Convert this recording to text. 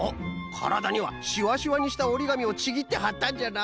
からだにはしわしわにしたおりがみをちぎってはったんじゃな。